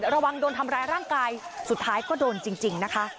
ระวังโดนทำร้ายร่างกายสุดท้ายก็โดนจริงนะคะ